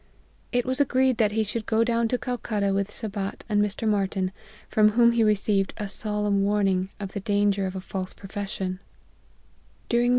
It was agreed that he should go down to Calcutta with Sabat and Mr. Martyn, from whom he received a solemn warning of the danger of a false profession* During the APPENDIX.